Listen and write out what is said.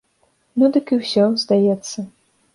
Ну дык і ўсё, здаецца.